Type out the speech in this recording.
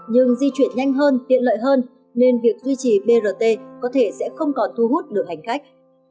nhưng di chuyển nhanh hơn tiện lợi hơn nên việc duy trì brt có thể sẽ không còn thu hút được hành khách